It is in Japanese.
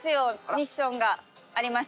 ミッションがありまして。